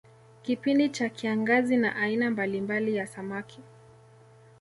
Kipindi cha kiangazi na aina mbalimbali ya samaki